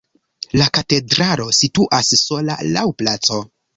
La katedralo situas sola laŭ placo.